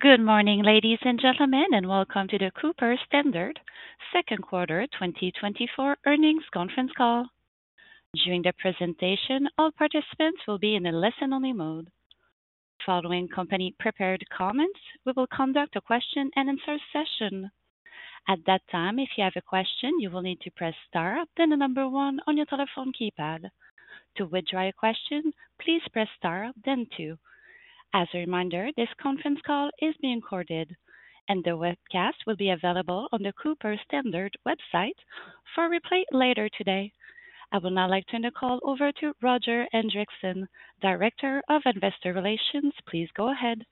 Good morning, ladies and gentlemen, and welcome to the Cooper Standard second quarter 2024 earnings conference call. During the presentation, all participants will be in a listen-only mode. Following company-prepared comments, we will conduct a question-and-answer session. At that time, if you have a question, you will need to press star, then the number one on your telephone keypad. To withdraw your question, please press star, then two. As a reminder, this conference call is being recorded, and the webcast will be available on the Cooper Standard website for replay later today. I would now like to turn the call over to Roger Hendrickson, Director of Investor Relations. Please go ahead.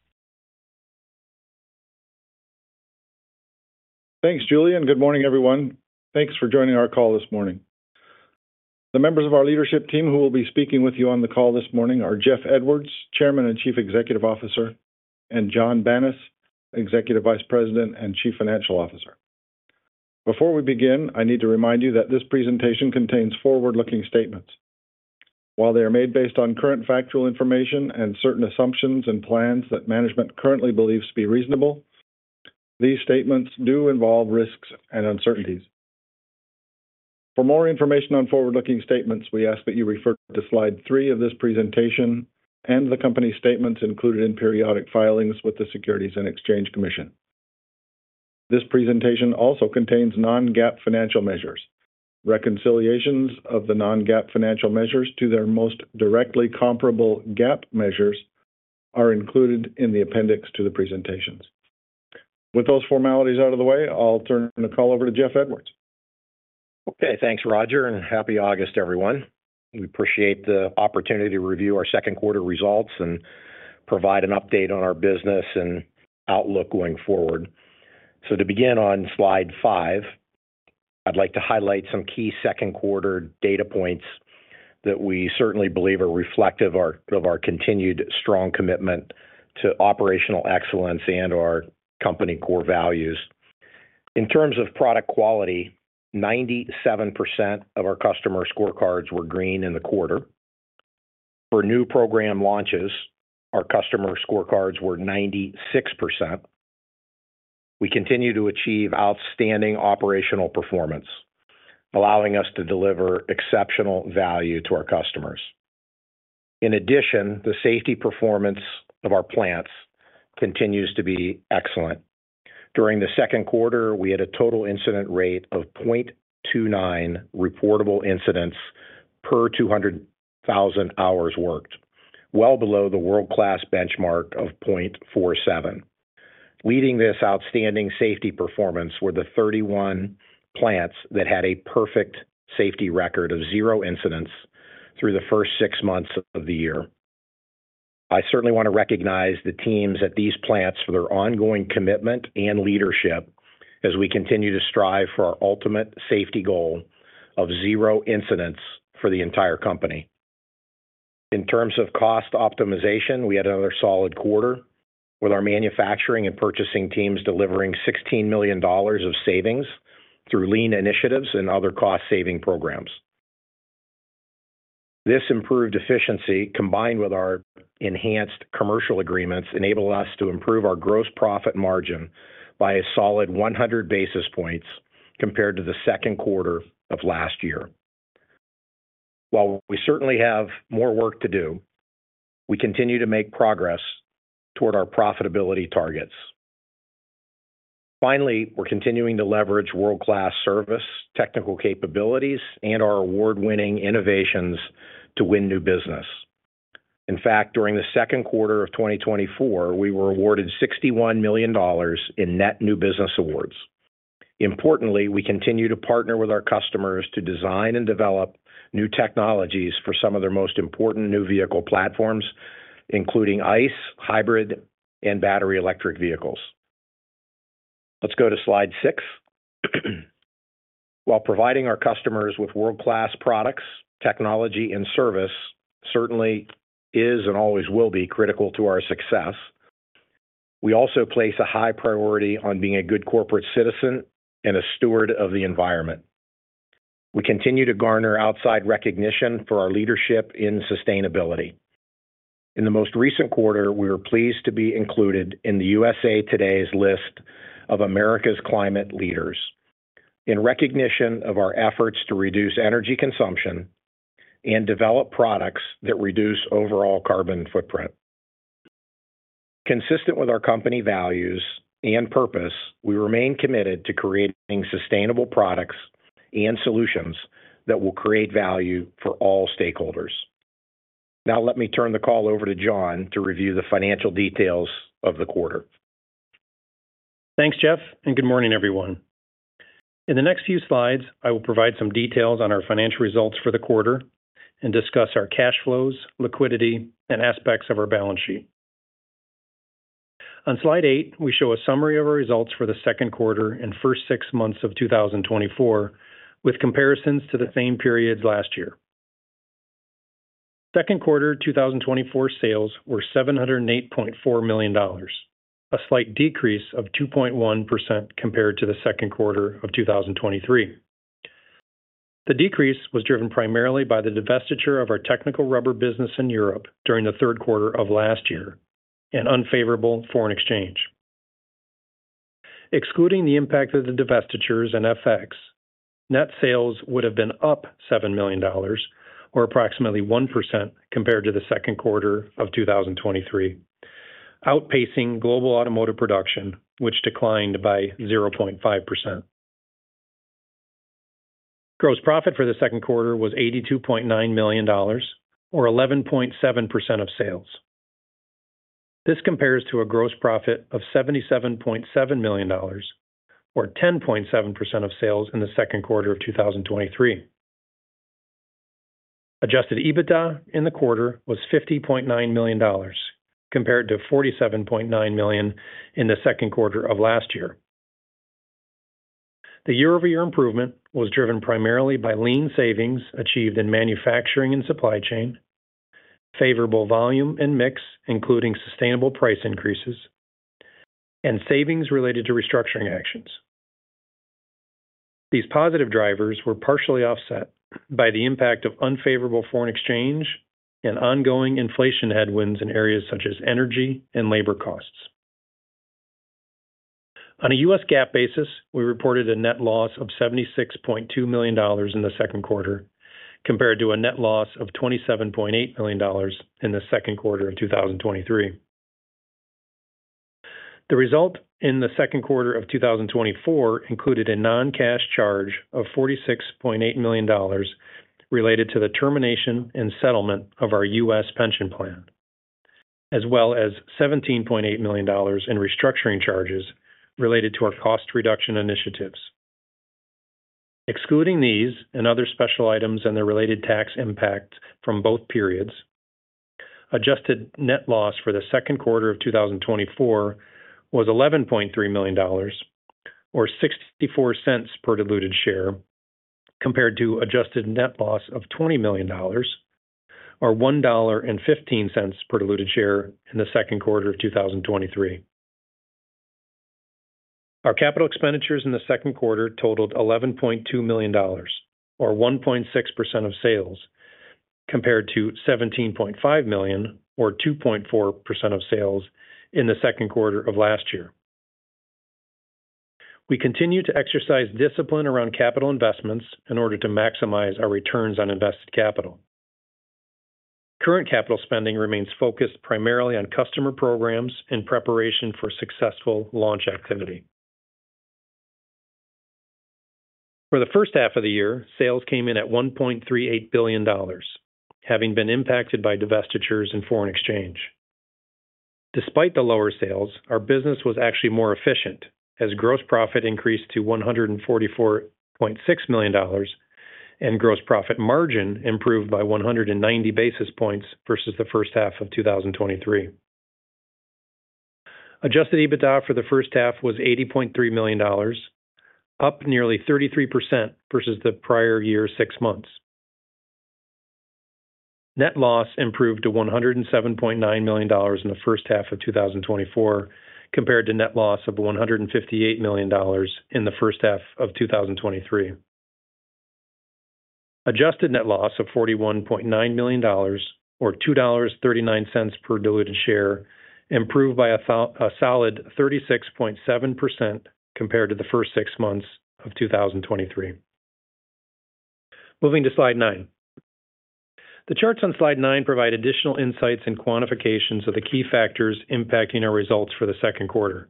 Thanks, Julie, and good morning, everyone. Thanks for joining our call this morning. The members of our leadership team who will be speaking with you on the call this morning are Jeff Edwards, Chairman and Chief Executive Officer, and John Banas, Executive Vice President and Chief Financial Officer. Before we begin, I need to remind you that this presentation contains forward-looking statements. While they are made based on current factual information and certain assumptions and plans that management currently believes to be reasonable, these statements do involve risks and uncertainties. For more information on forward-looking statements, we ask that you refer to slide three of this presentation and the company statements included in periodic filings with the Securities and Exchange Commission. This presentation also contains non-GAAP financial measures. Reconciliations of the non-GAAP financial measures to their most directly comparable GAAP measures are included in the appendix to the presentations. With those formalities out of the way, I'll turn the call over to Jeff Edwards. Okay, thanks, Roger, and Happy August, everyone. We appreciate the opportunity to review our second quarter results and provide an update on our business and outlook going forward. So to begin on slide 5, I'd like to highlight some key second quarter data points that we certainly believe are reflective of our, of our continued strong commitment to operational excellence and our company core values. In terms of product quality, 97% of our customer scorecards were green in the quarter. For new program launches, our customer scorecards were 96%. We continue to achieve outstanding operational performance, allowing us to deliver exceptional value to our customers. In addition, the safety performance of our plants continues to be excellent. During the second quarter, we had a total incident rate of 0.29 reportable incidents per 200,000 hours worked, well below the world-class benchmark of 0.47. Leading this outstanding safety performance were the 31 plants that had a perfect safety record of zero incidents through the first six months of the year. I certainly want to recognize the teams at these plants for their ongoing commitment and leadership as we continue to strive for our ultimate safety goal of zero incidents for the entire company. In terms of cost optimization, we had another solid quarter with our manufacturing and purchasing teams delivering $16 million of savings through lean initiatives and other cost-saving programs. This improved efficiency, combined with our enhanced commercial agreements, enabled us to improve our gross profit margin by a solid 100 basis points compared to the second quarter of last year. While we certainly have more work to do, we continue to make progress toward our profitability targets. Finally, we're continuing to leverage world-class service, technical capabilities, and our award-winning innovations to win new business. In fact, during the second quarter of 2024, we were awarded $61 million in net new business awards. Importantly, we continue to partner with our customers to design and develop new technologies for some of their most important new vehicle platforms, including ICE, hybrid, and battery electric vehicles. Let's go to slide six. While providing our customers with world-class products, technology, and service certainly is and always will be critical to our success, we also place a high priority on being a good corporate citizen and a steward of the environment. We continue to garner outside recognition for our leadership in sustainability. In the most recent quarter, we were pleased to be included in the USA TODAY's list of America's climate leaders. In recognition of our efforts to reduce energy consumption and develop products that reduce overall carbon footprint. Consistent with our company values and purpose, we remain committed to creating sustainable products and solutions that will create value for all stakeholders. Now, let me turn the call over to John to review the financial details of the quarter. Thanks, Jeff, and good morning, everyone. In the next few slides, I will provide some details on our financial results for the quarter and discuss our cash flows, liquidity, and aspects of our balance sheet. On slide 8, we show a summary of our results for the second quarter and first six months of 2024, with comparisons to the same periods last year. Second quarter 2024 sales were $708.4 million, a slight decrease of 2.1% compared to the second quarter of 2023. ...The decrease was driven primarily by the divestiture of our technical rubber business in Europe during the third quarter of last year, and unfavorable foreign exchange. Excluding the impact of the divestitures and FX, net sales would have been up $7 million or approximately 1% compared to the second quarter of 2023, outpacing global automotive production, which declined by 0.5%. Gross profit for the second quarter was $82.9 million, or 11.7% of sales. This compares to a gross profit of $77.7 million, or 10.7% of sales in the second quarter of 2023. Adjusted EBITDA in the quarter was $50.9 million, compared to $47.9 million in the second quarter of last year. The year-over-year improvement was driven primarily by lean savings achieved in manufacturing and supply chain, favorable volume and mix, including sustainable price increases, and savings related to restructuring actions. These positive drivers were partially offset by the impact of unfavorable foreign exchange and ongoing inflation headwinds in areas such as energy and labor costs. On a U.S. GAAP basis, we reported a net loss of $76.2 million in the second quarter, compared to a net loss of $27.8 million in the second quarter of 2023. The result in the second quarter of 2024 included a non-cash charge of $46.8 million related to the termination and settlement of our U.S. pension plan, as well as $17.8 million in restructuring charges related to our cost reduction initiatives. Excluding these and other special items and their related tax impact from both periods, adjusted net loss for the second quarter of 2024 was $11.3 million or $0.64 per diluted share, compared to adjusted net loss of $20 million or $1.15 per diluted share in the second quarter of 2023. Our capital expenditures in the second quarter totaled $11.2 million, or 1.6% of sales, compared to $17.5 million, or 2.4% of sales in the second quarter of last year. We continue to exercise discipline around capital investments in order to maximize our returns on invested capital. Current capital spending remains focused primarily on customer programs in preparation for successful launch activity. For the first half of the year, sales came in at $1.38 billion, having been impacted by divestitures and foreign exchange. Despite the lower sales, our business was actually more efficient as gross profit increased to $144.6 million, and gross profit margin improved by 190 basis points versus the first half of 2023. Adjusted EBITDA for the first half was $80.3 million, up nearly 33% versus the prior year six months. Net loss improved to $107.9 million in the first half of 2024, compared to net loss of $158 million in the first half of 2023. Adjusted net loss of $41.9 million or $2.39 per diluted share, improved by a solid 36.7% compared to the first six months of 2023. Moving to slide nine. The charts on slide nine provide additional insights and quantifications of the key factors impacting our results for the second quarter.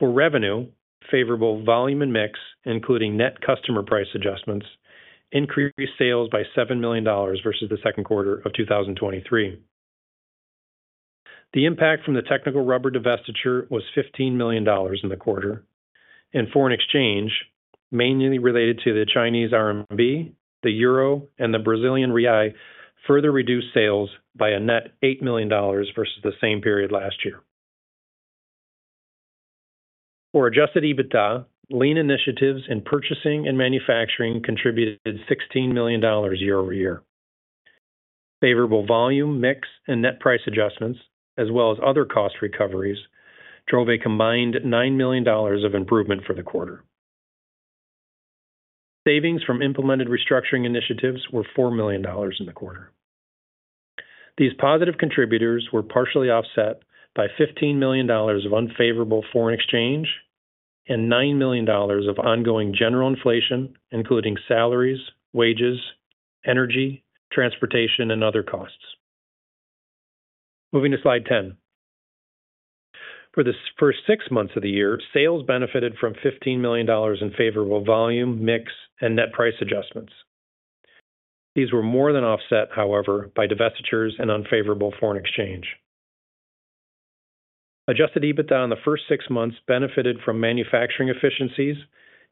For revenue, favorable volume and mix, including net customer price adjustments, increased sales by $7 million versus the second quarter of 2023. The impact from the technical rubber divestiture was $15 million in the quarter, and foreign exchange, mainly related to the Chinese RMB, the Euro, and the Brazilian Real, further reduced sales by a net $8 million versus the same period last year. For Adjusted EBITDA, lean initiatives in purchasing and manufacturing contributed $16 million year-over-year. Favorable volume, mix, and net price adjustments, as well as other cost recoveries, drove a combined $9 million of improvement for the quarter. Savings from implemented restructuring initiatives were $4 million in the quarter. These positive contributors were partially offset by $15 million of unfavorable foreign exchange and $9 million of ongoing general inflation, including salaries, wages, energy, transportation, and other costs. Moving to slide 10. For the first six months of the year, sales benefited from $15 million in favorable volume, mix, and net price adjustments. These were more than offset, however, by divestitures and unfavorable foreign exchange. Adjusted EBITDA in the first six months benefited from manufacturing efficiencies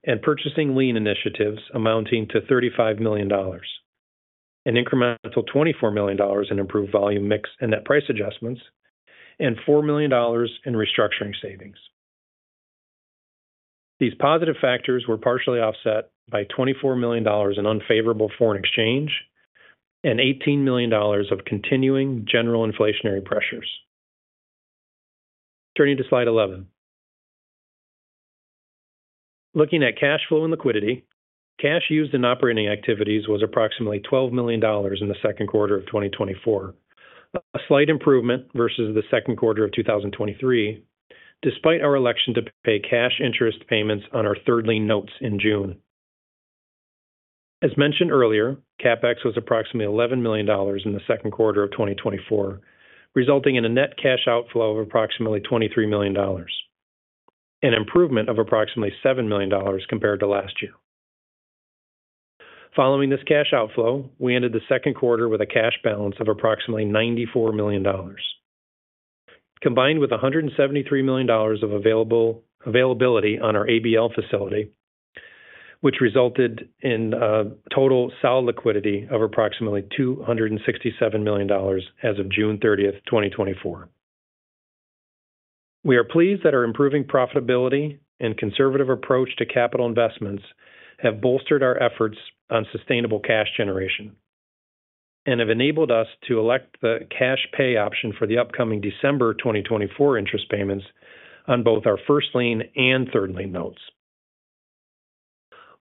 and purchasing lean initiatives amounting to $35 million, an incremental $24 million in improved volume mix and net price adjustments, and $4 million in restructuring savings. These positive factors were partially offset by $24 million in unfavorable foreign exchange and $18 million of continuing general inflationary pressures. Turning to Slide 11. Looking at cash flow and liquidity, cash used in operating activities was approximately $12 million in the second quarter of 2024. A slight improvement versus the second quarter of 2023, despite our election to pay cash interest payments on our third lien notes in June. As mentioned earlier, CapEx was approximately $11 million in the second quarter of 2024, resulting in a net cash outflow of approximately $23 million, an improvement of approximately $7 million compared to last year. Following this cash outflow, we ended the second quarter with a cash balance of approximately $94 million, combined with $173 million of availability on our ABL Facility, which resulted in total sound liquidity of approximately $267 million as of June 30, 2024. We are pleased that our improving profitability and conservative approach to capital investments have bolstered our efforts on sustainable cash generation and have enabled us to elect the cash pay option for the upcoming December 2024 interest payments on both our First Lien Notes and Third Lien Notes.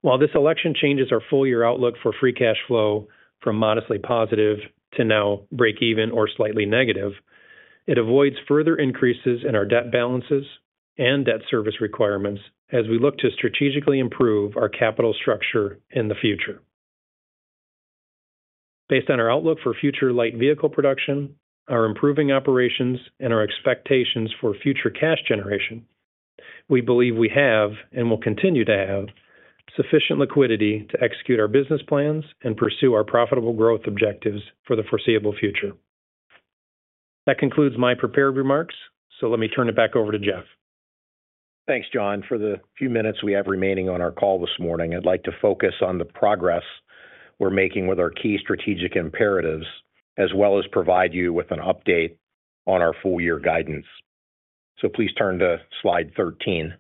While this election changes our full year outlook for Free Cash Flow from modestly positive to now break even or slightly negative, it avoids further increases in our debt balances and debt service requirements as we look to strategically improve our capital structure in the future. Based on our outlook for future light vehicle production, our improving operations, and our expectations for future cash generation, we believe we have, and will continue to have, sufficient liquidity to execute our business plans and pursue our profitable growth objectives for the foreseeable future. That concludes my prepared remarks, so let me turn it back over to Jeff. Thanks, John. For the few minutes we have remaining on our call this morning, I'd like to focus on the progress we're making with our key strategic imperatives, as well as provide you with an update on our full year guidance. So please turn to slide 13.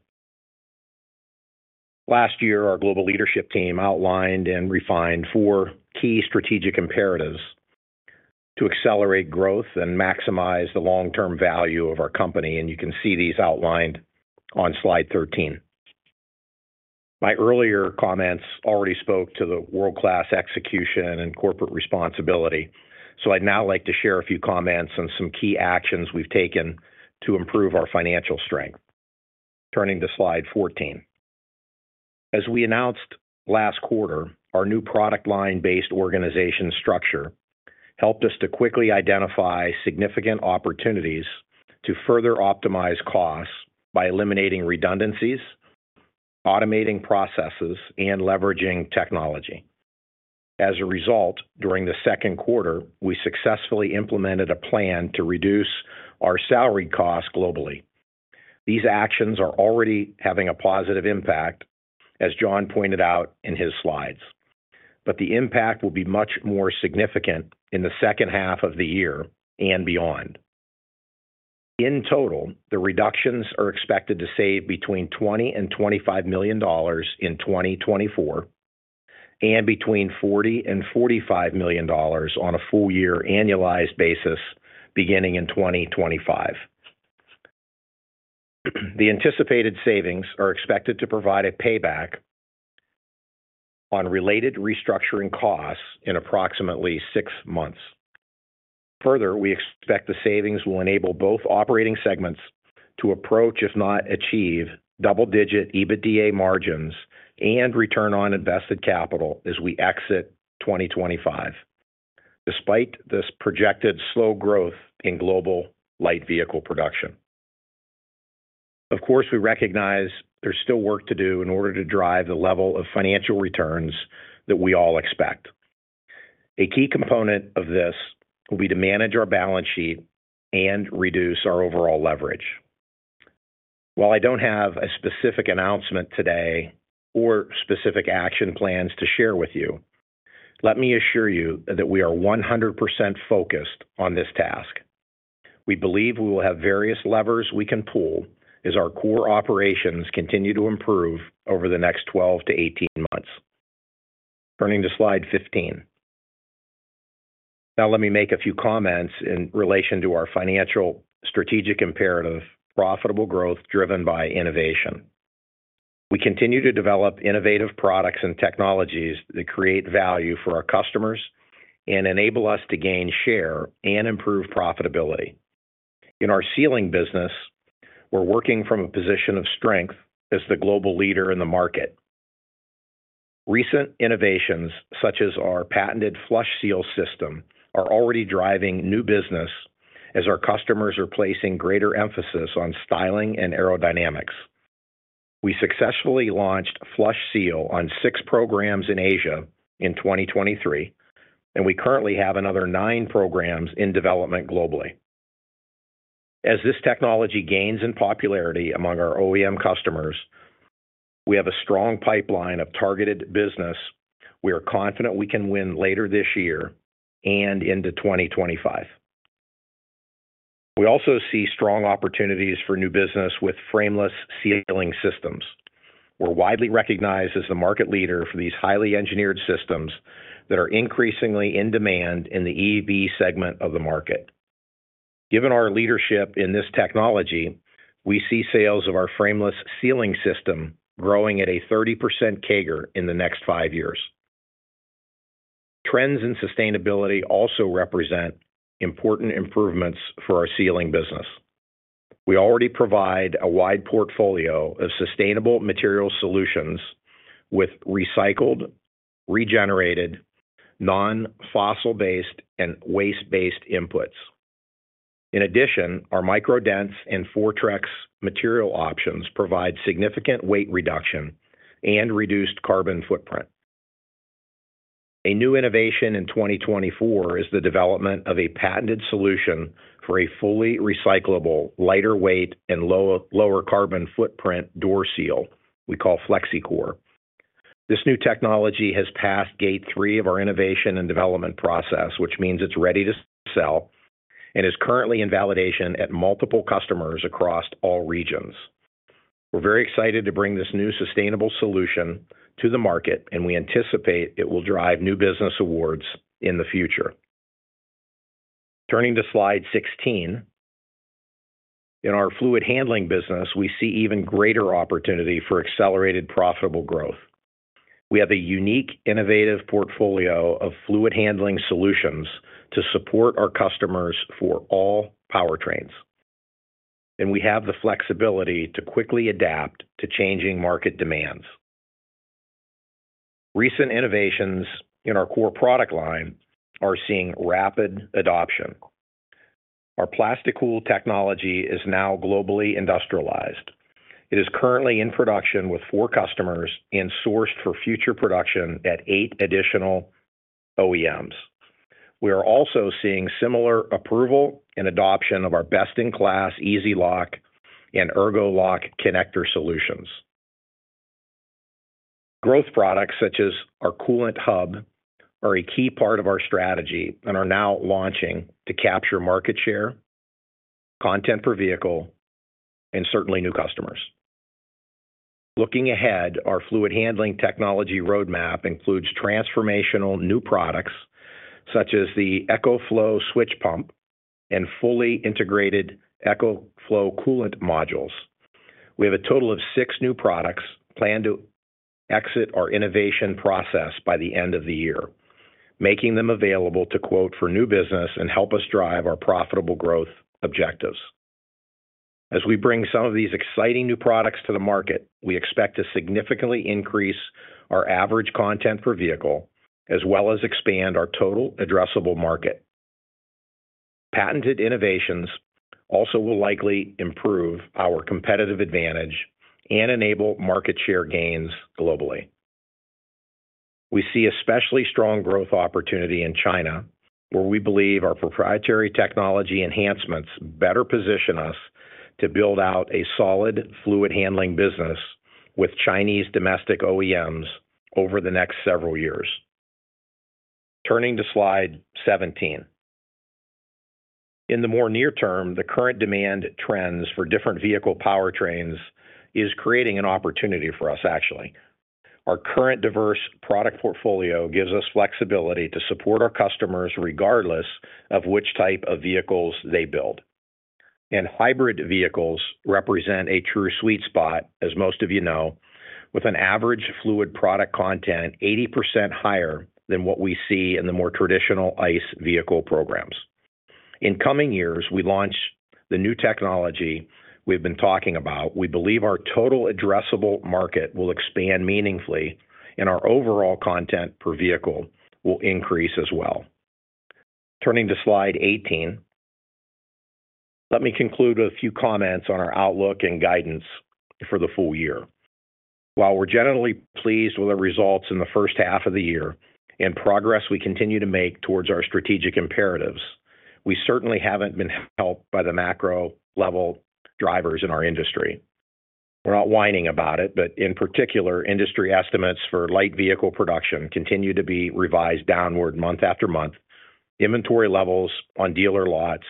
Last year, our global leadership team outlined and refined four key strategic imperatives to accelerate growth and maximize the long-term value of our company, and you can see these outlined on slide 13. My earlier comments already spoke to the world-class execution and corporate responsibility, so I'd now like to share a few comments on some key actions we've taken to improve our financial strength. Turning to slide 14. As we announced last quarter, our new product line-based organization structure helped us to quickly identify significant opportunities to further optimize costs by eliminating redundancies, automating processes, and leveraging technology. As a result, during the second quarter, we successfully implemented a plan to reduce our salary costs globally. These actions are already having a positive impact, as John pointed out in his slides, but the impact will be much more significant in the second half of the year and beyond. In total, the reductions are expected to save between $20 million and $25 million in 2024, and between $40 million and $45 million on a full year annualized basis beginning in 2025. The anticipated savings are expected to provide a payback on related restructuring costs in approximately 6 months. Further, we expect the savings will enable both operating segments to approach, if not achieve, double-digit EBITDA margins and return on invested capital as we exit 2025, despite this projected slow growth in global light vehicle production. Of course, we recognize there's still work to do in order to drive the level of financial returns that we all expect. A key component of this will be to manage our balance sheet and reduce our overall leverage. While I don't have a specific announcement today or specific action plans to share with you, let me assure you that we are 100% focused on this task. We believe we will have various levers we can pull as our core operations continue to improve over the next 12-18 months. Turning to slide 15. Now, let me make a few comments in relation to our financial strategic imperative, profitable growth driven by innovation. We continue to develop innovative products and technologies that create value for our customers and enable us to gain share and improve profitability. In our sealing business, we're working from a position of strength as the global leader in the market. Recent innovations, such as our patented FlushSeal system, are already driving new business as our customers are placing greater emphasis on styling and aerodynamics. We successfully launched FlushSeal on six programs in Asia in 2023, and we currently have another nine programs in development globally. As this technology gains in popularity among our OEM customers, we have a strong pipeline of targeted business we are confident we can win later this year and into 2025. We also see strong opportunities for new business with frameless sealing systems... We're widely recognized as the market leader for these highly engineered systems that are increasingly in demand in the EV segment of the market. Given our leadership in this technology, we see sales of our frameless sealing system growing at a 30% CAGR in the next 5 years. Trends in sustainability also represent important improvements for our sealing business. We already provide a wide portfolio of sustainable material solutions with recycled, regenerated, non-fossil-based, and waste-based inputs. In addition, our MicroDense and Fortrex material options provide significant weight reduction and reduced carbon footprint. A new innovation in 2024 is the development of a patented solution for a fully recyclable, lighter weight, and lower carbon footprint door seal we call FlexiCore. This new technology has passed gate 3 of our innovation and development process, which means it's ready to sell and is currently in validation at multiple customers across all regions. We're very excited to bring this new sustainable solution to the market, and we anticipate it will drive new business awards in the future. Turning to slide 16. In our fluid handling business, we see even greater opportunity for accelerated, profitable growth. We have a unique, innovative portfolio of fluid handling solutions to support our customers for all powertrains, and we have the flexibility to quickly adapt to changing market demands. Recent innovations in our core product line are seeing rapid adoption. Our PlastiCool technology is now globally industrialized. It is currently in production with 4 customers and sourced for future production at 8 additional OEMs. We are also seeing similar approval and adoption of our best-in-class Easy-Lock and Ergo-Lock connector solutions. Growth products, such as our coolant hub, are a key part of our strategy and are now launching to capture market share, content per vehicle, and certainly new customers. Looking ahead, our fluid handling technology roadmap includes transformational new products such as the eCoFlow Switch Pump and fully integrated eCoFlow coolant modules. We have a total of six new products planned to exit our innovation process by the end of the year, making them available to quote for new business and help us drive our profitable growth objectives. As we bring some of these exciting new products to the market, we expect to significantly increase our average content per vehicle, as well as expand our total addressable market. Patented innovations also will likely improve our competitive advantage and enable market share gains globally. We see especially strong growth opportunity in China, where we believe our proprietary technology enhancements better position us to build out a solid fluid handling business with Chinese domestic OEMs over the next several years. Turning to slide 17. In the more near term, the current demand trends for different vehicle powertrains is creating an opportunity for us, actually. Our current diverse product portfolio gives us flexibility to support our customers, regardless of which type of vehicles they build. Hybrid vehicles represent a true sweet spot, as most of you know, with an average fluid product content 80% higher than what we see in the more traditional ICE vehicle programs. In coming years, we launched the new technology we've been talking about. We believe our total addressable market will expand meaningfully, and our overall content per vehicle will increase as well. Turning to slide 18, let me conclude with a few comments on our outlook and guidance for the full year. While we're generally pleased with the results in the first half of the year and progress we continue to make towards our strategic imperatives, we certainly haven't been helped by the macro-level drivers in our industry. We're not whining about it, but in particular, industry estimates for light vehicle production continue to be revised downward month after month. Inventory levels on dealer lots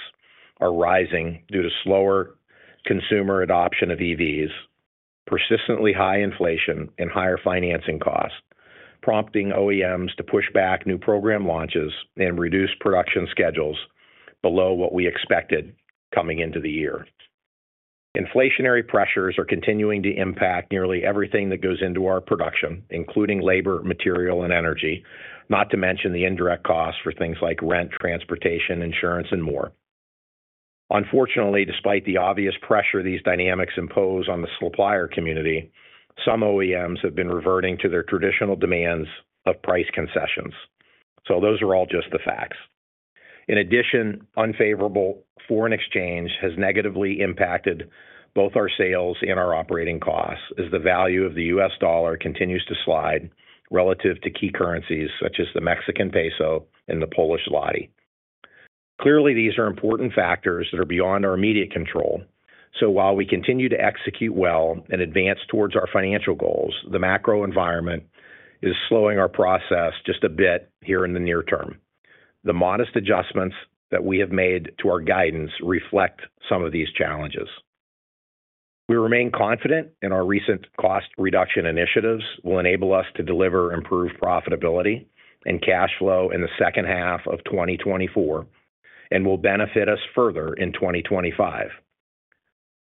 are rising due to slower consumer adoption of EVs, persistently high inflation and higher financing costs, prompting OEMs to push back new program launches and reduce production schedules below what we expected coming into the year. Inflationary pressures are continuing to impact nearly everything that goes into our production, including labor, material, and energy, not to mention the indirect costs for things like rent, transportation, insurance, and more. Unfortunately, despite the obvious pressure these dynamics impose on the supplier community, some OEMs have been reverting to their traditional demands of price concessions. Those are all just the facts. In addition, unfavorable foreign exchange has negatively impacted both our sales and our operating costs, as the value of the U.S. dollar continues to slide relative to key currencies such as the Mexican peso and the Polish zloty. Clearly, these are important factors that are beyond our immediate control. While we continue to execute well and advance towards our financial goals, the macro environment is slowing our process just a bit here in the near term... The modest adjustments that we have made to our guidance reflect some of these challenges. We remain confident in our recent cost reduction initiatives will enable us to deliver improved profitability and cash flow in the second half of 2024, and will benefit us further in 2025.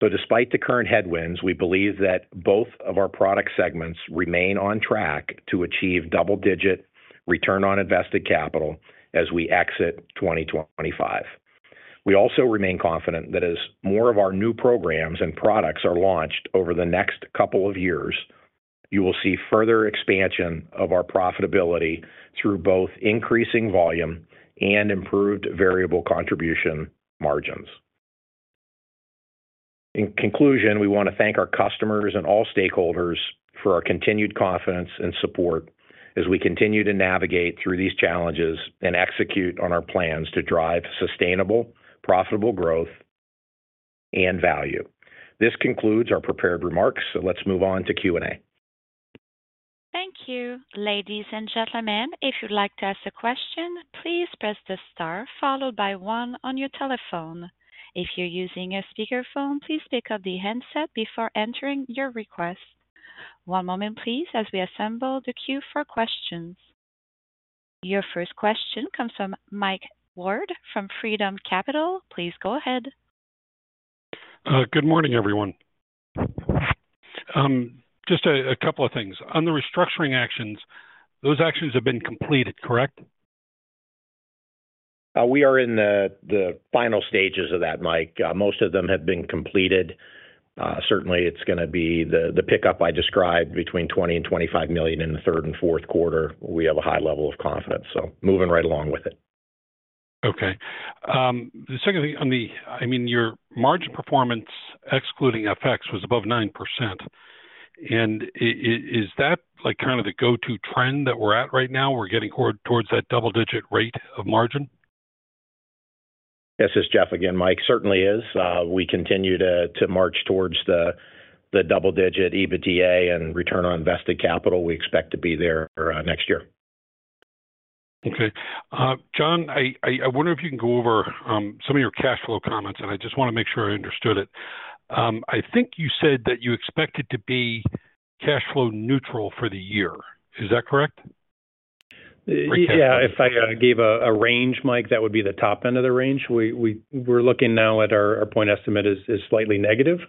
So despite the current headwinds, we believe that both of our product segments remain on track to achieve double-digit return on invested capital as we exit 2025. We also remain confident that as more of our new programs and products are launched over the next couple of years, you will see further expansion of our profitability through both increasing volume and improved variable contribution margins. In conclusion, we want to thank our customers and all stakeholders for our continued confidence and support as we continue to navigate through these challenges and execute on our plans to drive sustainable, profitable growth and value. This concludes our prepared remarks. So let's move on to Q&A. Thank you. Ladies and gentlemen, if you'd like to ask a question, please press the star followed by one on your telephone. If you're using a speakerphone, please pick up the handset before entering your request. One moment please, as we assemble the queue for questions. Your first question comes from Mike Ward from Freedom Capital. Please go ahead. Good morning, everyone. Just a couple of things. On the restructuring actions, those actions have been completed, correct? We are in the final stages of that, Mike. Most of them have been completed. Certainly it's going to be the pickup I described between $20 million and $25 million in the third and fourth quarter. We have a high level of confidence, so moving right along with it. Okay. The second thing on the, I mean, your margin performance, excluding FX, was above 9%, and is that, like, kind of the go-to trend that we're at right now? We're getting towards that double-digit rate of margin. This is Jeff again, Mike. Certainly is. We continue to march towards the double-digit EBITDA and Return on Invested Capital. We expect to be there next year. Okay. John, I wonder if you can go over some of your cash flow comments, and I just want to make sure I understood it. I think you said that you expected to be cash flow neutral for the year. Is that correct? Yeah, if I gave a range, Mike, that would be the top end of the range. We're looking now at our point estimate is slightly negative.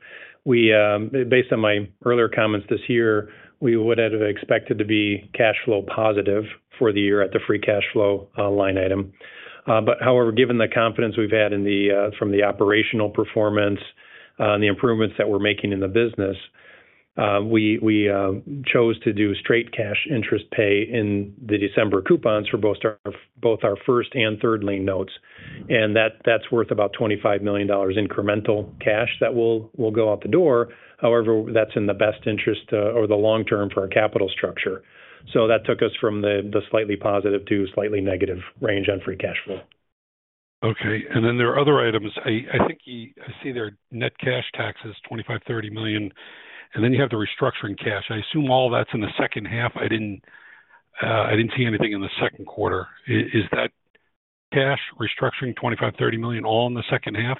Based on my earlier comments this year, we would have expected to be cash flow positive for the year at the Free Cash Flow line item. But however, given the confidence we've had from the operational performance, and the improvements that we're making in the business, we chose to do straight cash interest pay in the December coupons for both our First Lien Notes and Third Lien Notes, and that's worth about $25 million incremental cash that will go out the door. However, that's in the best interest over the long term for our capital structure. That took us from the slightly positive to slightly negative range on Free Cash Flow. Okay. And then there are other items. I think you—I see there net cash taxes, $25-$30 million, and then you have the restructuring cash. I assume all that's in the second half. I didn't see anything in the second quarter. Is that cash restructuring, $25-$30 million, all in the second half?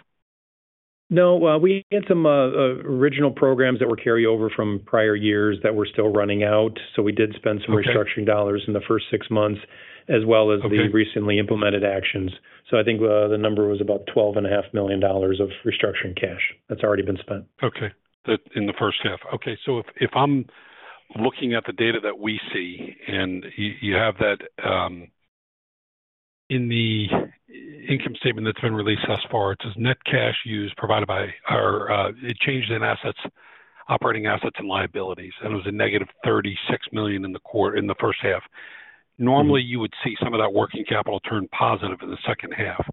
No. We had some original programs that were carry over from prior years that were still running out. So we did spend some- Okay. -restructuring dollars in the first six months, as well as- Okay The recently implemented actions. So I think, the number was about $12.5 million of restructuring cash that's already been spent. Okay. That in the first half. Okay, so if I'm looking at the data that we see, and you have that in the income statement that's been released thus far, it says net cash provided by our changes in operating assets and liabilities, and it was a negative $36 million in the first half. Normally, you would see some of that working capital turn positive in the second half.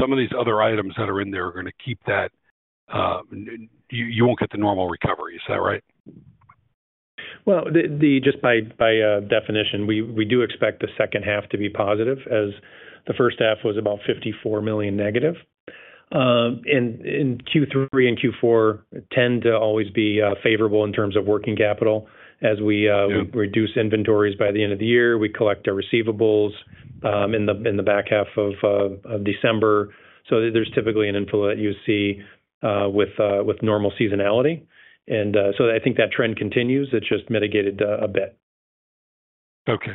Some of these other items that are in there are going to keep that you won't get the normal recovery. Is that right? Well, just by definition, we do expect the second half to be positive, as the first half was about -$54 million. And Q3 and Q4 tend to always be favorable in terms of working capital as we Yeah reduce inventories by the end of the year. We collect our receivables in the back half of December. So there's typically an inflow that you see with normal seasonality. And so I think that trend continues. It's just mitigated a bit. Okay.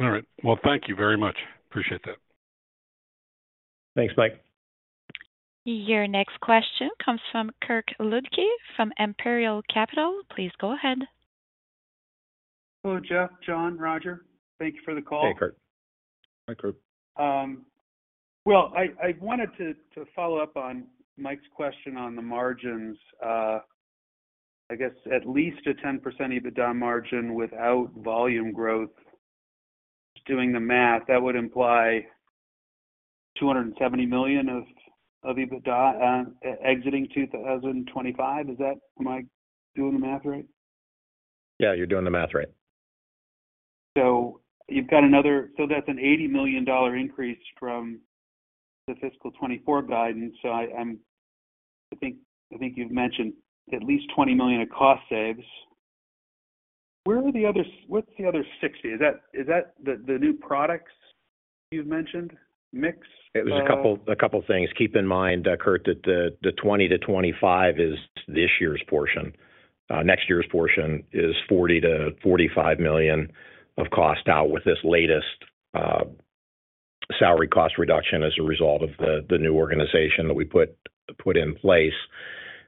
All right. Well, thank you very much. Appreciate that. Thanks, Mike. Your next question comes from Kirk Ludtke from Imperial Capital. Please go ahead. Hello, Jeff, John, Roger, thank you for the call. Hey, Kirk. Hi, Kirk. Well, I wanted to follow up on Mike's question on the margins. I guess at least a 10% EBITDA margin without volume growth. Doing the math, that would imply $270 million of EBITDA exiting 2025. Is that... Am I doing the math right? Yeah, you're doing the math right. So you've got another—so that's an $80 million increase from the fiscal 2024 guidance. So I, I'm, I think, I think you've mentioned at least $20 million of cost saves.... Where are the other—what's the other 60? Is that, is that the, the new products you've mentioned, mix? It was a couple, a couple things. Keep in mind, Kirk, that the 20-25 is this year's portion. Next year's portion is $40 million-$45 million of cost out with this latest salary cost reduction as a result of the new organization that we put in place.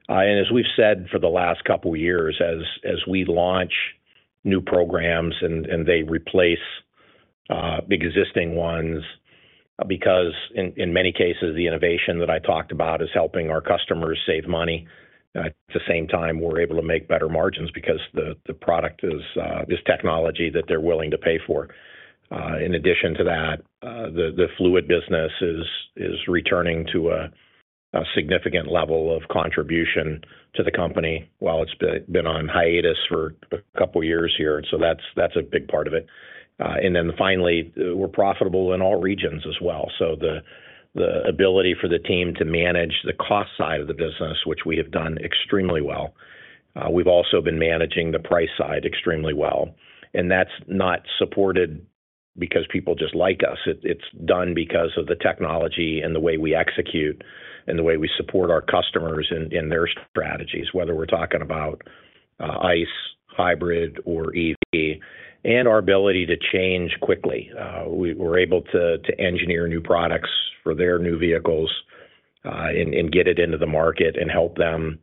And as we've said for the last couple of years, as we launch new programs and they replace the existing ones, because in many cases, the innovation that I talked about is helping our customers save money. At the same time, we're able to make better margins because the product is technology that they're willing to pay for. In addition to that, the fluid business is returning to a significant level of contribution to the company while it's been on hiatus for a couple of years here, and so that's a big part of it. And then finally, we're profitable in all regions as well. So the ability for the team to manage the cost side of the business, which we have done extremely well. We've also been managing the price side extremely well, and that's not supported because people just like us. It's done because of the technology and the way we execute, and the way we support our customers in their strategies, whether we're talking about ICE, hybrid, or EV, and our ability to change quickly. We're able to engineer new products for their new vehicles and get it into the market and help them,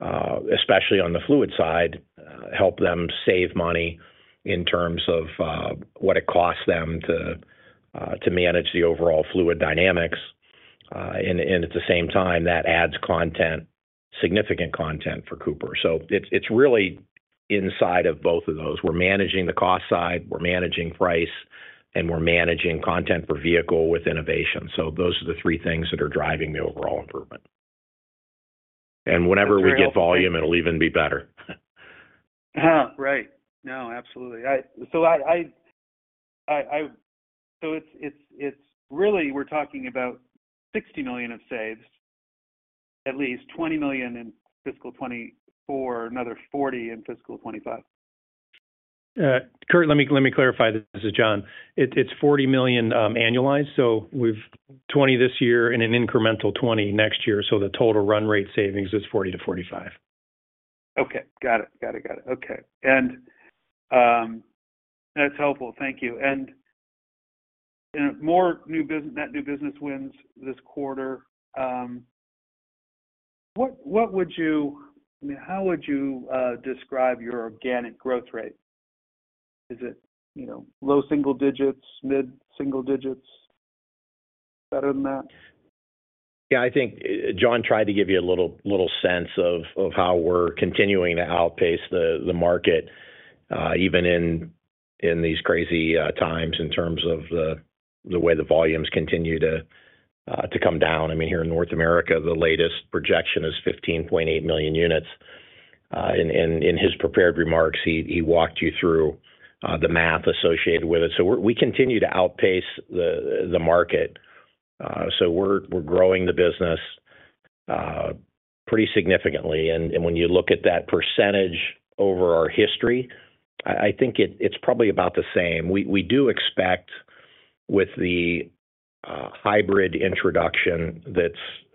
especially on the fluid side, help them save money in terms of what it costs them to manage the overall fluid dynamics. And at the same time, that adds content, significant content for Cooper. So it's really inside of both of those. We're managing the cost side, we're managing price, and we're managing content per vehicle with innovation. So those are the three things that are driving the overall improvement. And whenever we get volume, it'll even be better. Right. No, absolutely. So it's really we're talking about $60 million of saves, at least $20 million in fiscal 2024, another $40 million in fiscal 2025. Kurt, let me, let me clarify this. This is John. It's $40 million annualized, so we've $20 million this year and an incremental $20 million next year. So the total run rate savings is $40 million-$45 million. Okay. Got it. Got it, got it. Okay. And that's helpful. Thank you. And more new business, net new business wins this quarter. What would you, I mean, how would you describe your organic growth rate? Is it, you know, low single digits, mid-single digits, better than that? Yeah, I think John tried to give you a little, little sense of, of how we're continuing to outpace the, the market, even in, in these crazy times, in terms of the, the way the volumes continue to, to come down. I mean, here in North America, the latest projection is 15.8 million units. In, in, in his prepared remarks, he, he walked you through, the math associated with it. So we continue to outpace the, the market. So we're, we're growing the business, pretty significantly. And, and when you look at that percentage over our history, I, I think it's probably about the same. We do expect with the hybrid introduction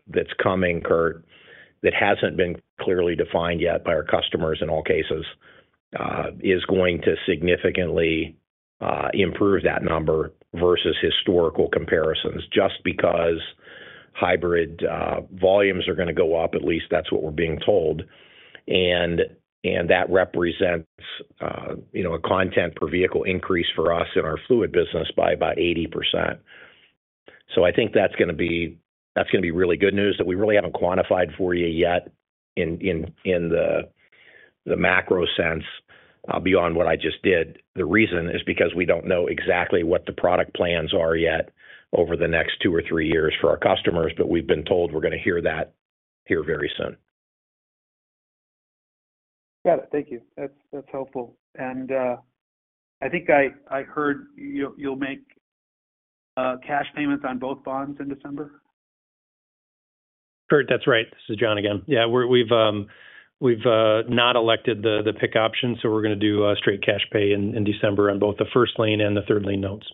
that's coming, Kirk, that hasn't been clearly defined yet by our customers, in all cases, is going to significantly improve that number versus historical comparisons. Just because hybrid volumes are gonna go up, at least that's what we're being told, and that represents, you know, a content per vehicle increase for us in our fluid business by about 80%. So I think that's gonna be, that's gonna be really good news that we really haven't quantified for you yet in the macro sense, beyond what I just did. The reason is because we don't know exactly what the product plans are yet over the next two or three years for our customers, but we've been told we're gonna hear that here very soon. Got it. Thank you. That's helpful. I think I heard you'll make cash payments on both bonds in December? Kurt, that's right. This is John again. Yeah, we've not elected the pick option, so we're gonna do straight cash pay in December on both the First Lien and the Third Lien Notes.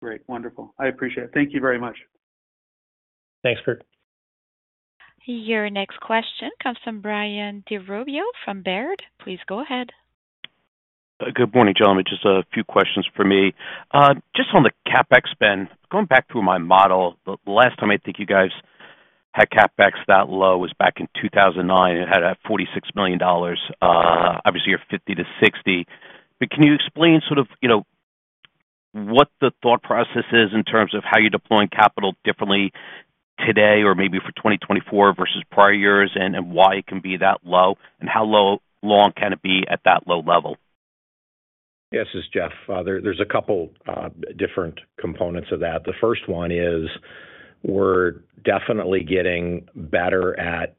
Great, wonderful. I appreciate it. Thank you very much. Thanks, Kurt. Your next question comes from Brian DiRubio from Baird. Please go ahead. Good morning, gentlemen. Just a few questions for me. Just on the CapEx spend, going back through my model, the last time I think you guys had CapEx that low was back in 2009, and had $46 million, obviously your $50 million-$60 million. But can you explain sort of, you know, what the thought process is in terms of how you're deploying capital differently today or maybe for 2024 versus prior years, and, and why it can be that low, and how long can it be at that low level? Yes, this is Jeff. There, there's a couple different components of that. The first one is, we're definitely getting better at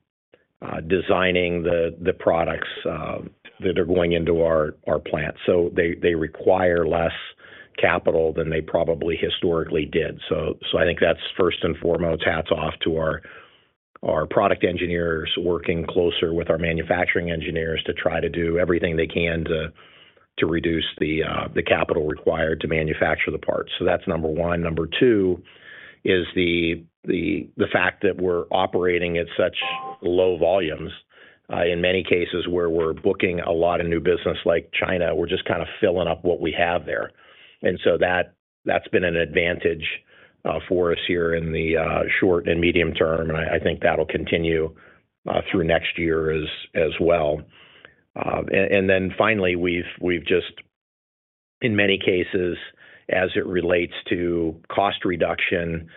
designing the products that are going into our plant, so they require less capital than they probably historically did. So I think that's first and foremost, hats off to our product engineers working closer with our manufacturing engineers to try to do everything they can to reduce the capital required to manufacture the parts. So that's number one. Number two is the fact that we're operating at such low volumes in many cases, where we're booking a lot of new business like China, we're just kind of filling up what we have there. That's been an advantage for us here in the short and medium term, and I think that'll continue through next year as well. And then finally, we've just in many cases, as it relates to cost reduction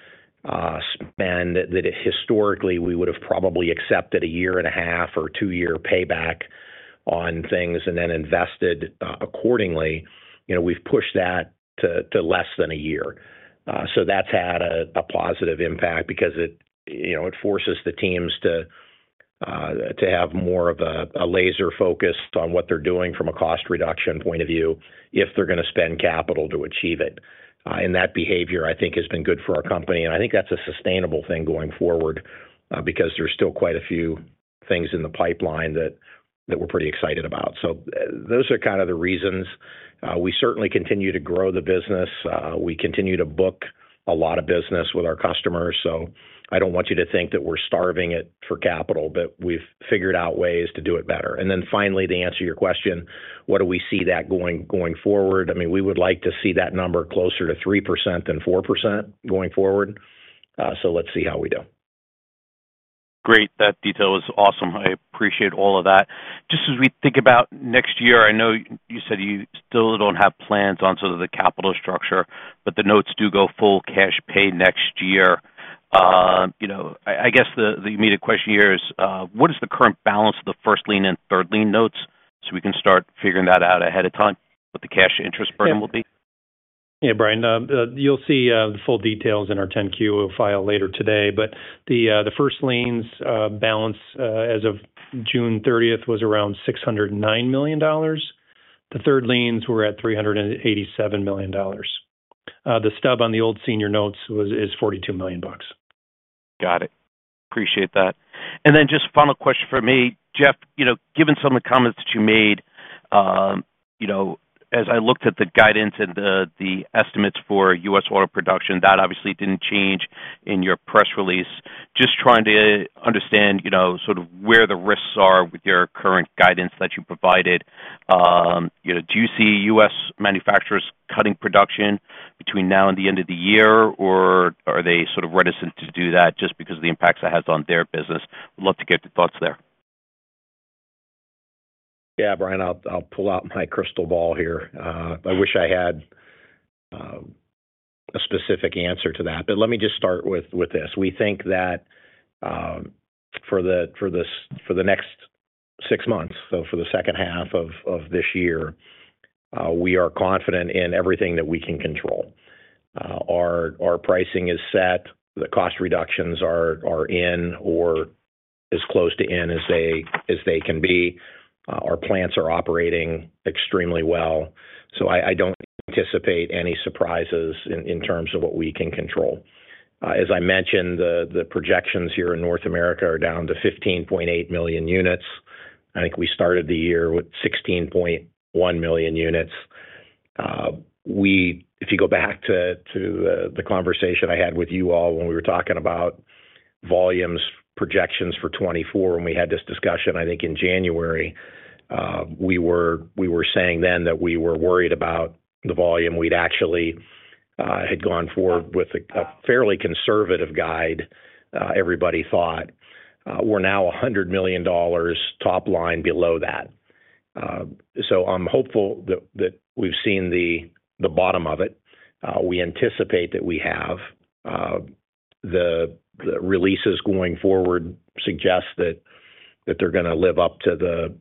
spend, that historically we would have probably accepted a year and a half or two-year payback on things, and then invested accordingly. You know, we've pushed that to less than a year. So that's had a positive impact because it, you know, it forces the teams to have more of a laser focus on what they're doing from a cost reduction point of view, if they're gonna spend capital to achieve it. And that behavior, I think, has been good for our company, and I think that's a sustainable thing going forward, because there's still quite a few things in the pipeline that we're pretty excited about. So, those are kind of the reasons. We certainly continue to grow the business. We continue to book a lot of business with our customers, so I don't want you to think that we're starving it for capital, but we've figured out ways to do it better. And then finally, to answer your question, where do we see that going forward? I mean, we would like to see that number closer to 3% than 4% going forward. So let's see how we do. Great. That detail is awesome. I appreciate all of that. Just as we think about next year, I know you said you still don't have plans on sort of the capital structure, but the notes do go full cash pay next year. You know, I guess the immediate question here is, what is the current balance of the First Lien Notes and Third Lien Notes, so we can start figuring that out ahead of time, what the cash interest burden will be? Yeah, Brian, you'll see the full details in our 10-Q we'll file later today, but the first lien's balance as of June thirtieth was around $609 million. The third liens were at $387 million. The stub on the old senior notes is $42 million. Got it. Appreciate that. And then just final question from me. Jeff, you know, given some of the comments that you made, you know, as I looked at the guidance and the estimates for U.S. auto production, that obviously didn't change in your press release. Just trying to understand, you know, sort of where the risks are with your current guidance that you provided. You know, do you see U.S. manufacturers cutting production between now and the end of the year, or are they sort of reticent to do that just because of the impacts it has on their business? I'd love to get your thoughts there. Yeah, Brian, I'll, I'll pull out my crystal ball here. I wish I had a specific answer to that, but let me just start with, with this. We think that, for the next six months, so for the second half of this year, we are confident in everything that we can control. Our pricing is set, the cost reductions are in or as close to in as they can be. Our plants are operating extremely well, so I don't anticipate any surprises in terms of what we can control. As I mentioned, the projections here in North America are down to 15.8 million units. I think we started the year with 16.1 million units. We if you go back to the conversation I had with you all when we were talking about volumes, projections for 2024, when we had this discussion, I think in January, we were saying then that we were worried about the volume. We'd actually had gone forward with a fairly conservative guide, everybody thought. We're now $100 million top line below that. So I'm hopeful that we've seen the bottom of it. We anticipate that we have. The releases going forward suggest that they're gonna live up to the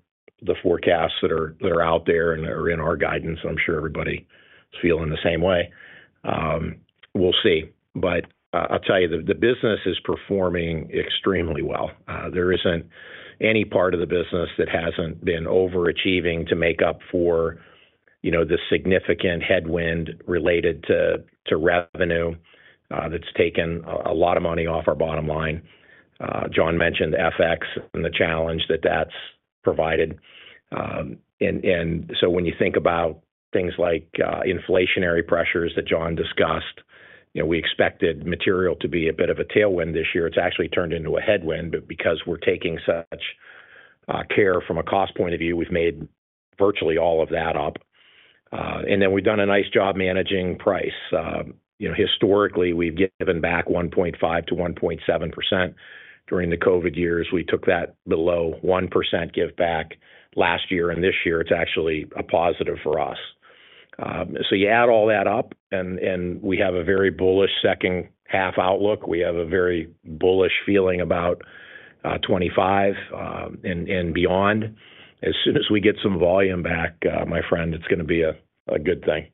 forecasts that are out there and are in our guidance, so I'm sure everybody is feeling the same way. We'll see. But, I'll tell you, the business is performing extremely well. There isn't any part of the business that hasn't been overachieving to make up for, you know, the significant headwind related to revenue, that's taken a lot of money off our bottom line. John mentioned FX and the challenge that that's provided. And so when you think about things like inflationary pressures that John discussed, you know, we expected material to be a bit of a tailwind this year. It's actually turned into a headwind, but because we're taking such care from a cost point of view, we've made virtually all of that up. And then we've done a nice job managing price. You know, historically, we've given back 1.5%-1.7%. During the COVID years, we took that below one percent give back last year, and this year it's actually a positive for us. So you add all that up, and, and we have a very bullish second half outlook. We have a very bullish feeling about 2025, and, and beyond. As soon as we get some volume back, my friend, it's gonna be a, a good thing.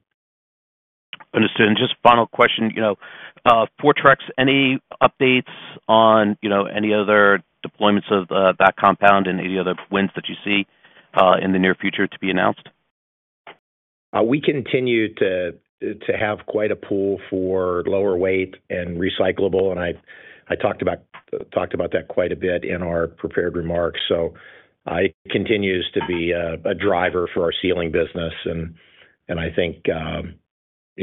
Understood. And just final question, you know, Fortrex, any updates on, you know, any other deployments of, that compound and any other wins that you see, in the near future to be announced?... We continue to have quite a pool for lower weight and recyclable, and I talked about that quite a bit in our prepared remarks. So it continues to be a driver for our sealing business. And I think, you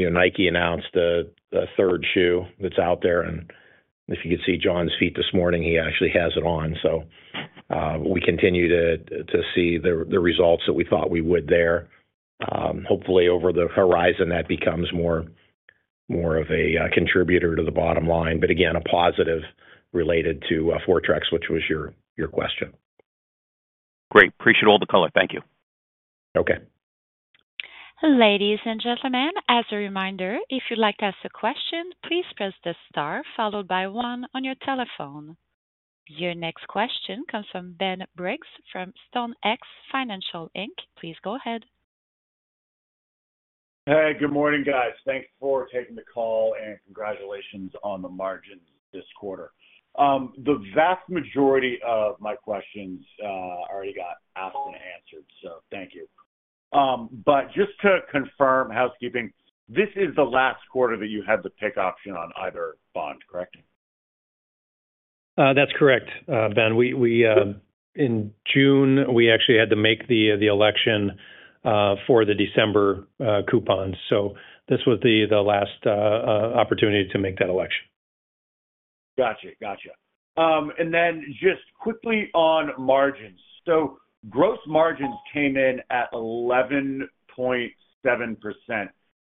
know, Nike announced a third shoe that's out there, and if you could see John's feet this morning, he actually has it on. So we continue to see the results that we thought we would there. Hopefully, over the horizon, that becomes more of a contributor to the bottom line, but again, a positive related to Fortrex, which was your question. Great. Appreciate all the color. Thank you. Okay. Ladies and gentlemen, as a reminder, if you'd like to ask a question, please press the star followed by one on your telephone. Your next question comes from Ben Briggs from StoneX Financial Inc. Please go ahead. Hey, good morning, guys. Thanks for taking the call, and congratulations on the margins this quarter. The vast majority of my questions already got asked and answered, so thank you. Just to confirm housekeeping, this is the last quarter that you had the pick option on either bond, correct? That's correct, Ben. In June, we actually had to make the election for the December coupon. So this was the last opportunity to make that election. Gotcha. Gotcha. And then just quickly on margins. So gross margins came in at 11.7%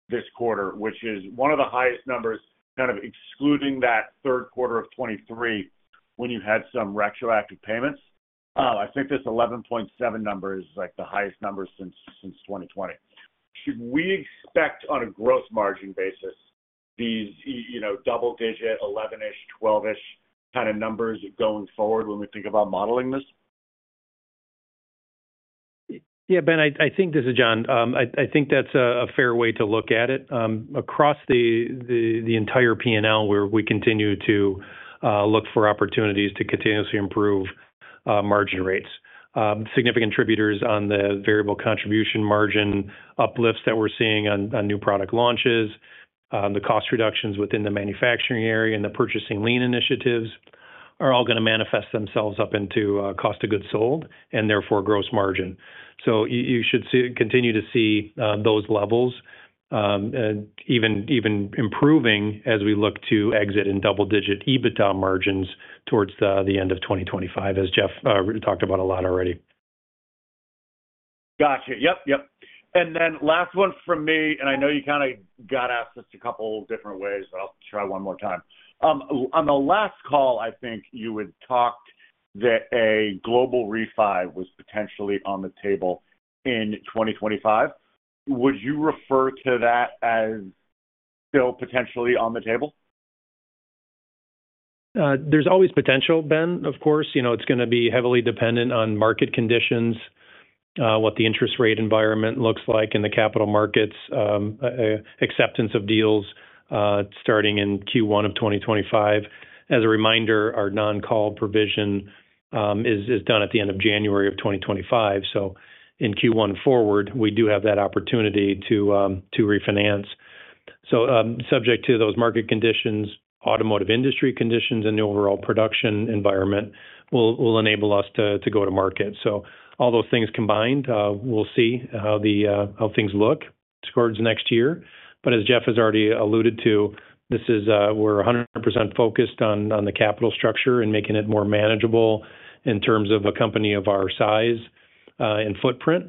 this quarter, which is one of the highest numbers, kind of excluding that third quarter of 2023, when you had some retroactive payments. I think this 11.7 number is, like, the highest number since 2020. Should we expect on a gross margin basis, these, you know, double-digit, 11-ish, 12-ish kind of numbers going forward when we think about modeling this? Yeah, Ben, I think this is John. I think that's a fair way to look at it. Across the entire P&L, we continue to look for opportunities to continuously improve margin rates. Significant contributors on the variable contribution margin uplifts that we're seeing on new product launches, the cost reductions within the manufacturing area, and the purchasing lean initiatives are all gonna manifest themselves up into cost of goods sold and therefore, gross margin. So you should continue to see those levels even improving as we look to exit in double-digit EBITDA margins towards the end of 2025, as Jeff talked about a lot already. Gotcha. Yep, yep. And then last one from me, and I know you kind of got asked this a couple different ways, but I'll try one more time. On the last call, I think you had talked that a global refi was potentially on the table in 2025. Would you refer to that as still potentially on the table? There's always potential, Ben, of course. You know, it's gonna be heavily dependent on market conditions, what the interest rate environment looks like in the capital markets, acceptance of deals, starting in Q1 of 2025. As a reminder, our non-call provision is done at the end of January of 2025. So in Q1 forward, we do have that opportunity to refinance. So, subject to those market conditions, automotive industry conditions, and the overall production environment will enable us to go to market. So all those things combined, we'll see how things look towards next year. But as Jeff has already alluded to, this is... we're 100% focused on the capital structure and making it more manageable in terms of a company of our size and footprint.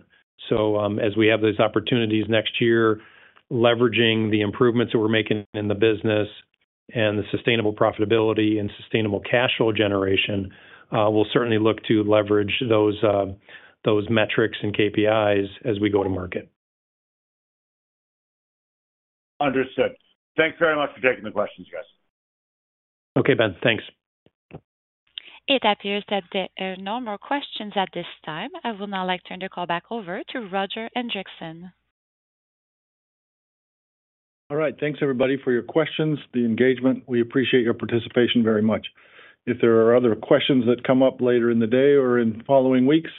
As we have those opportunities next year, leveraging the improvements that we're making in the business and the sustainable profitability and sustainable cash flow generation, we'll certainly look to leverage those metrics and KPIs as we go to market. Understood. Thanks very much for taking the questions, guys. Okay, Ben. Thanks. It appears that there are no more questions at this time. I would now like to turn the call back over to Roger Hendrikse. All right. Thanks, everybody, for your questions, the engagement. We appreciate your participation very much. If there are other questions that come up later in the day or in the following weeks,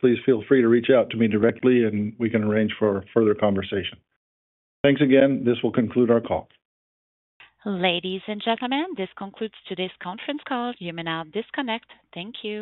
please feel free to reach out to me directly, and we can arrange for further conversation. Thanks again. This will conclude our call. Ladies and gentlemen, this concludes today's conference call. You may now disconnect. Thank you.